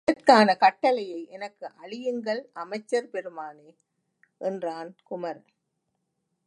அதற்கான கட்டளையை எனக்கு அளியுங்கள் அமைச்சர் பெருமானே! என்றான் குமரன்.